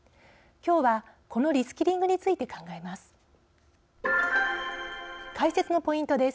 今日はこのリスキリングについて考えます。